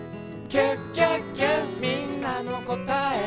「キュッキュッキュみんなのこたえ